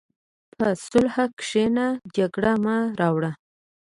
په صلح کښېنه، جګړه مه راوړه.